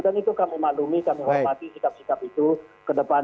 dan itu kami malumi kami hormati sikap sikap itu ke depan